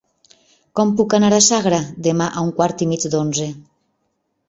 Com puc anar a Sagra demà a un quart i mig d'onze?